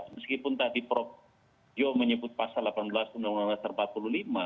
meskipun tadi prof jo menyebut pasal delapan belas undang undang dasar empat puluh lima